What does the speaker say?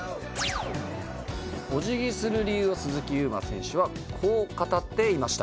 「お辞儀する理由を鈴木優磨選手はこう語っていました」